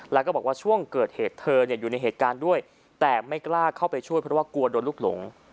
แล้วก็บอกว่าช่วงเกิดเหตุเธออยู่ในเหตุการณ์ด้วยแต่ไม่กล้าเข้าไปช่วยเพราะว่ากลัวโดนลูกหลง